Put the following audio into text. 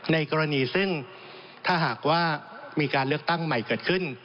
ในกรณีซึ่งถ้าหากว่ามีการเลือกตั้งใหม่เกิดขึ้น